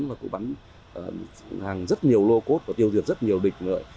và cũng bắn hàng rất nhiều lô cốt và tiêu diệt rất nhiều địch